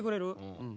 うん。